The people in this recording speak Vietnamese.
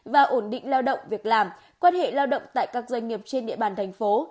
và ổn định lao động việc làm quan hệ lao động tại các doanh nghiệp trên địa bàn thành phố